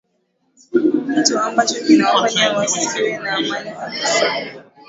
kitu ambacho kinawafanya wasiwe na amani kabisa